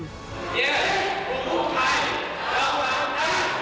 เย็นปุ่มไทยเดี๋ยวมากัน